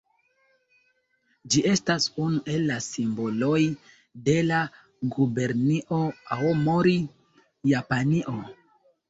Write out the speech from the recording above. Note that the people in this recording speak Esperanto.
Ĝi estas unu el la simboloj de la Gubernio Aomori, Japanio.